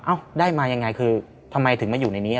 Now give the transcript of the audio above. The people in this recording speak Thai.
ได้มายังไงคือทำไมถึงมาอยู่ในนี้